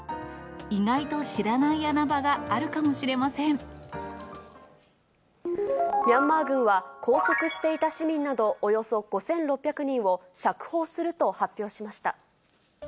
意外と知らない穴場があるかもしミャンマー軍は、拘束していた市民などおよそ５６００人を釈放すると発表しました。